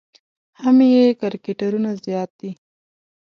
هم یې کرکټرونه زیات دي.